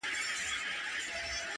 !شینکی آسمانه،